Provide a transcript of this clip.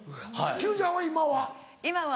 Ｑちゃんは今は？